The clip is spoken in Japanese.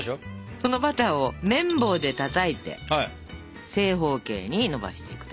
そのバターを麺棒でたたいて正方形にのばしていくと。